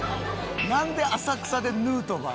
なんで浅草でヌートバー